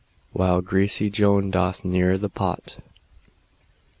While greasy Joan doth keel the pot.